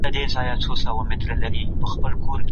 د خپل ژوند اتلان.